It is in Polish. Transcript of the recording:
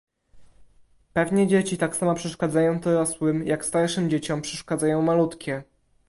"Pewnie dzieci tak samo przeszkadzają dorosłym, jak starszym dzieciom przeszkadzają malutkie."